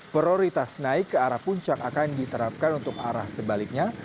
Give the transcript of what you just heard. prioritas naik ke arah puncak akan diterapkan untuk arah sebaliknya